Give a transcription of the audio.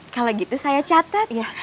kalau gitu saya catat